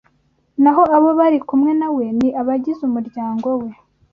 naho abo bari kumwe na we ni abagize umuryango we